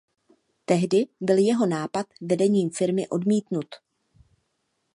Tehdy byl jeho nápad vedením firmy odmítnut.